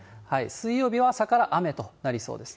水曜日は朝から雨となりそうです。